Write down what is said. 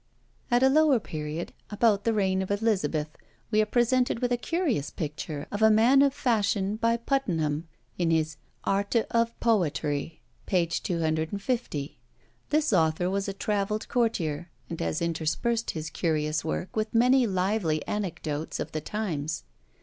At a lower period, about the reign of Elizabeth, we are presented with a curious picture of a man of fashion by Puttenham, in his "Arte of Poetry," p. 250. This author was a travelled courtier, and has interspersed his curious work with many lively anecdotes of the times.